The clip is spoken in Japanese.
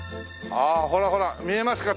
ああほらほら見えますか？